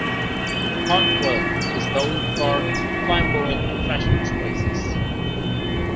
Hartwell was known for flamboyant fashion choices.